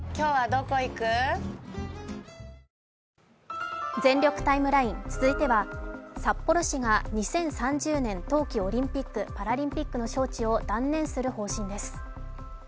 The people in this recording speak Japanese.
「のりしお」もね「全力タイムライン」、続いては、札幌市が２０３０年冬季オリンピック・パラリンピックの招致を断念する方針です。